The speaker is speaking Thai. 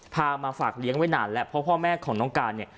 มาฝากเลี้ยงไว้นานแล้วเพราะพ่อแม่ของน้องการเนี่ย